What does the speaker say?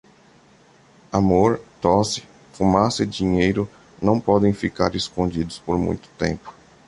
Amor, tosse, fumaça e dinheiro não podem ficar escondidos por muito tempo.